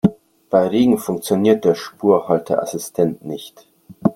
Bei Regen funktioniert der Spurhalteassistent nicht.